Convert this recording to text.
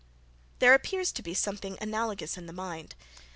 There appears to be something analogous in the mind.